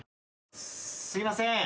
すいません。